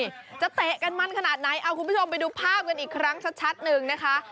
เออตรงนี้จะแตะกันมั่นขนาดไหนเอาคุณผู้ชมไปดูภาพกันอีกครั้งสักชัดนึงนะค้า